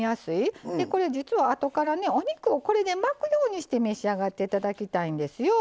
これ実はあとからお肉をこれで巻くようにして召し上がっていただきたいんですよ。